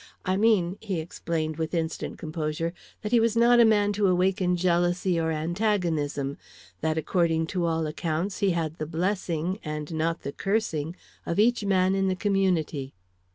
"I mean," he explained, with instant composure, "that he was not a man to awaken jealousy or antagonism; that, according to all accounts, he had the blessing, and not the cursing, of each man in the community."